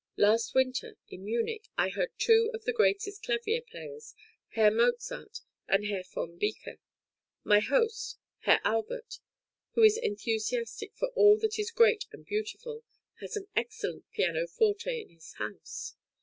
Last winter, in Munich, I heard two of the greatest clavier players, Herr Mozart and Herr v. Beecke. My host, Herr Albert, who is enthusiastic for all that is great and beautiful, has an excellent pianoforte in his house.